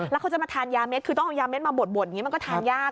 แล้วเขาจะมาทานยาเม็ดคือต้องเอายาเด็ดมาบดอย่างนี้มันก็ทานยาก